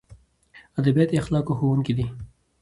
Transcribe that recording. ادبیات د اخلاقو ښوونکي دي.